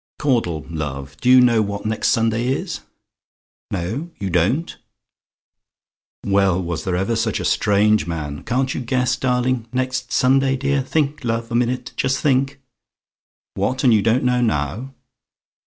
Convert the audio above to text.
"Caudle, love, do you know what next Sunday is? "NO! YOU DON'T? "Well, was there ever such a strange man! Can't you guess, darling? Next Sunday, dear? Think, love, a minute just think. "WHAT! AND YOU DON'T KNOW NOW?